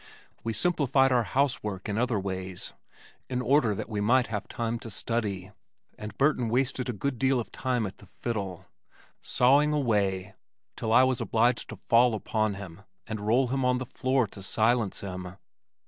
We simplified our housework in other ways in order that we might have time to study and Burton wasted a good deal of time at the fiddle, sawing away till I was obliged to fall upon him and roll him on the floor to silence him.